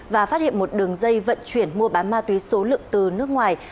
và phát hiện một đường dây vận chuyển mua bán ma túy số lượng từ nước ngoài